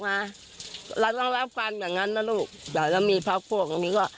มาเราต้องรับฟันอย่างนั้นนะลูกแต่แล้วมีพระพวกนี้ก็